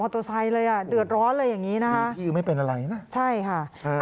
ออโตซัยเลยอ่ะเดือดร้อนเลยอย่างนี้นะไม่เป็นอะไรใช่ค่ะ